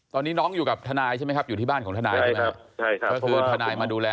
ตอนนี้น้องอยู่กับทนายใช่ไหมครับอยู่ที่บ้านของทนายใช่ไหมครับ